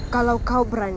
kalau kau berani